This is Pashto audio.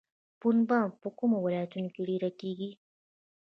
پنبه په کومو ولایتونو کې ډیره کیږي؟